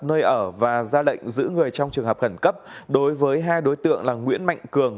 nơi ở và ra lệnh giữ người trong trường hợp khẩn cấp đối với hai đối tượng là nguyễn mạnh cường